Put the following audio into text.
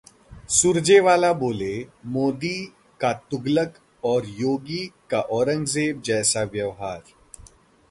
सुरजेवाला बोले- मोदी का तुगलक और योगी का औरंगजेब जैसा व्यवहार